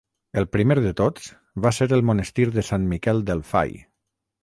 El primer de tots va ser el monestir de Sant Miquel del Fai.